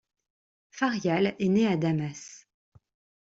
Faryal est née à Damas.